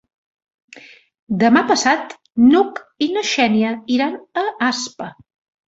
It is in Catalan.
Demà passat n'Hug i na Xènia iran a Aspa.